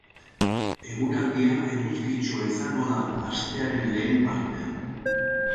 Eguraldia eguzkitsua izango da astearen lehen partean.